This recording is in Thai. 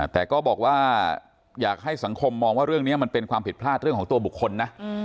แต่ก็บอกว่าอยากให้สังคมมองว่าเรื่องนี้มันเป็นความผิดพลาดเรื่องของตัวบุคคลนะ